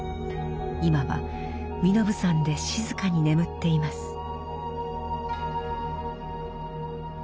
今は身延山で静かに眠っています。